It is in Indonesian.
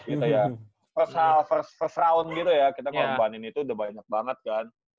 first half first round gitu ya kita ngorbanin itu udah banyak banget kan